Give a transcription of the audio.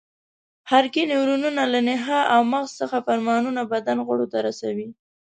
حرکي نیورونونه له نخاع او مغز څخه فرمانونه بدن غړو ته رسوي.